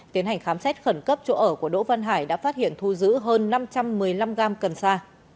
tiến hành khám xét khẩn cấp chỗ ở của đỗ văn hải đã phát hiện thu giữ hơn năm trăm một mươi năm gram cần sa